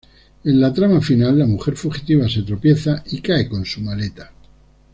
En la trama final, la mujer fugitiva se tropieza y cae con su maleta.